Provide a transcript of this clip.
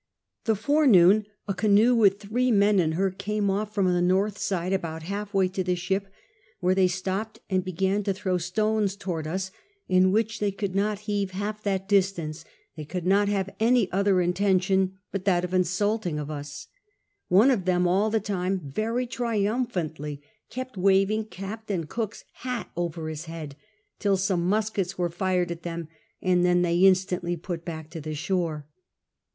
The forenoon a canoe with three, men in her came off from the north side about half way to the ship, where they stopped, and began to tliiDW stones towards ns ; in which they could not heave half that, distance, they could not have any other intention but that of insulting of us : one of them all the time very triumphantly kept w'aving Captain Cook's hat over his head, till some muskets were fired at them, and then they in stantly put back to the shore.